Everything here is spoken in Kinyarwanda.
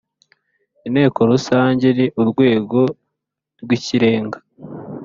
Inteko rusange ni urwego rw ikirenga